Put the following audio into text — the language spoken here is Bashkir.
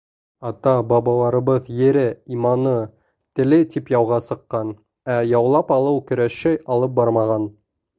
Ата-бабаларыбыҙ ере, иманы, теле тип яуға сыҡҡан, ә яулап алыу көрәше алып бармаған.